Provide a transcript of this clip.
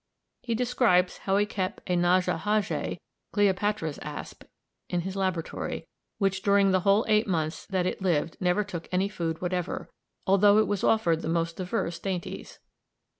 He describes how he kept a naja haje (Cleopatra's asp) in his laboratory, which during the whole eight months that it lived never took any food whatever, although it was offered the most diverse dainties.